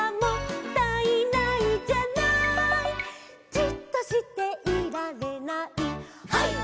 「じっとしていられない」「」